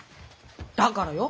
だからよ。